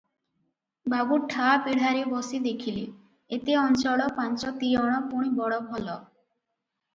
"ବାବୁ ଠା ପିଢାରେ ବସି ଦେଖିଲେ, ଏତେ ଚଞ୍ଚଳ ପାଞ୍ଚତିଅଣ, ପୁଣି ବଡ଼ ଭଲ ।